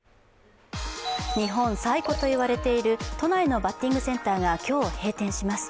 日本最古といわれている都内のバッティングセンターが今日、閉店します。